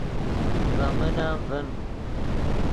ڤے من ام ڤین